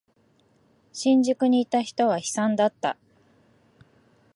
新宿にいた人は悲惨だった。